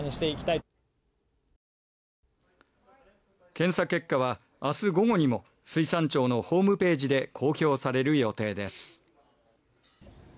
検査結果は明日午後にも水産庁のホームページで公表される予定です。